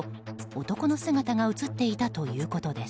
男の姿が映っていたということです。